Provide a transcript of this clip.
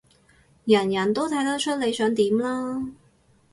人人都睇得出你想點啦